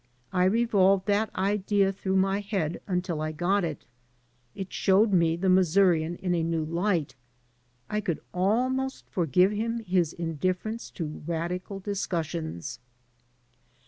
I revolved that idea through my head until I got it. It showed me the Missourian in a new light. I could almost forgive him his indifference to radical discussions.